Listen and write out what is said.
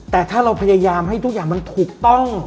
แต่ถ้าเราพยายามให้ทุกอย่างมันถูกต้อง